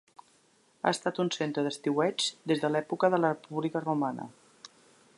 Ha estat un centre d'estiueig des de l'època de la República Romana.